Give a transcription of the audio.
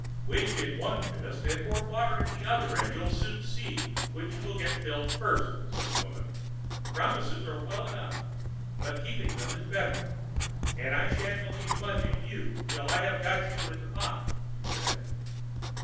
"Wish in one fist, and pour water in the other, and you'll soon see which you will get filled first," said the woman. "Promises are well enough, but keeping them is better, and I sha'n't believe much in you till I have got you in the pot," she said.